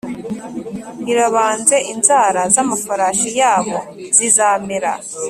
Irabanze inzara z amafarashi yabo zizamera